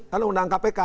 karena undang kpk